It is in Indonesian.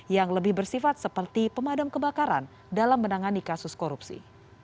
yang lebih bersifat seperti pemadam kebakaran dalam menangani kasus korupsi